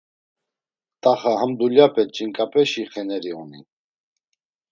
“T̆axa ham dulyape ç̌inǩapeşi xeneri oni?”